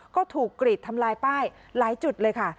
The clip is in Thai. ก็ถูกกรีดทำลายป้ายหลายจุดเลยค่ะ